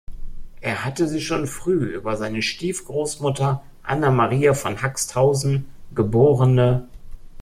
Er hatte sie schon früh über seine Stief-Grossmutter Anna-Maria von Haxthausen, geb.